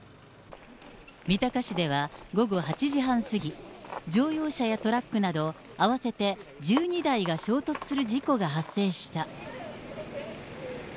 三鷹市では午後８時半過ぎ、乗用車やトラックなど合わせて１２台が衝突する事故が発生した。